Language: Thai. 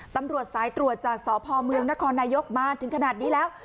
ตำรวจสายตรวจจากสพเมืองนครนายกมาถึงขนาดนี้แล้ว